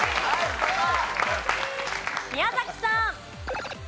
宮崎さん。